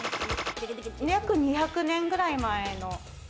約２００年前くらいの。